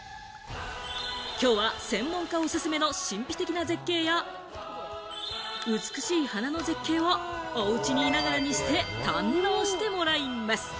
今日は専門家おすすめの神秘的な絶景や、美しい花の絶景をおうちに居ながらにして堪能してもらいます。